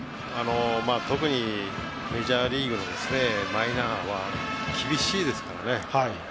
特に、メジャーリーグのマイナーは厳しいですからね。